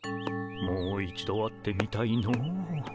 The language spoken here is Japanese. もう一度会ってみたいの。